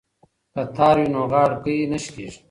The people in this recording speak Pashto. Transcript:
که تار وي نو غاړکۍ نه شلیږي.